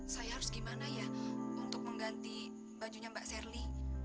saya harus gimana ya untuk mengganti bajunya mbak serly